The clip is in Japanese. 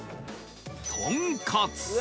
とんかつ！